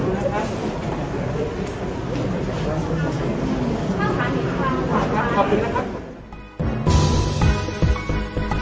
สถานที่มีฉันธักษ์เลสต์